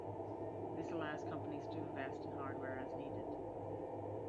This allows companies to invest in hardware as needed.